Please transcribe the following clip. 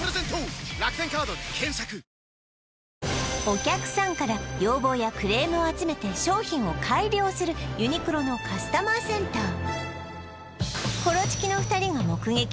お客さんから要望やクレームを集めて商品を改良するユニクロのカスタマーセンター